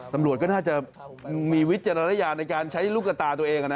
ตำรวจก็น่าจะมีวิจารณญาณในการใช้ลูกกระตาตัวเอง